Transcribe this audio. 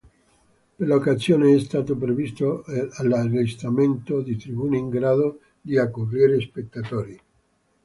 Per l'occasione è stato previsto l'allestimento di tribune in grado di accogliere spettatori.